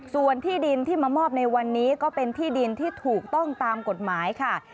ส่วนที่ดินที่มามอบในวันนี้ก็เป็นที่ดินที่ถูกต้องตามกฎหมายค่ะ